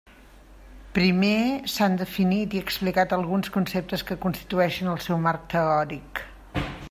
Primer, s'han definit i explicat alguns conceptes que constitueixen el seu marc teòric.